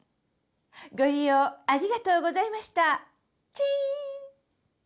ご利用ありがとうございましたチーン！